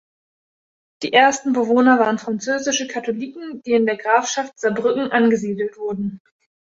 Die ersten Bewohner waren französische Katholiken, die in der Grafschaft Saarbrücken angesiedelt wurden.